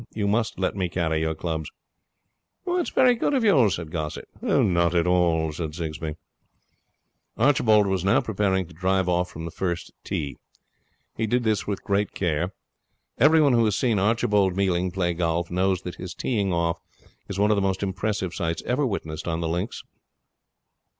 You must let me carry your clubs.' 'It's very good of you,' said Gossett. 'Not at all,' said Sigsbee. Archibald was now preparing to drive off from the first tee. He did this with great care. Everyone who has seen Archibald Mealing play golf knows that his teeing off is one of the most impressive sights ever witnessed on the links.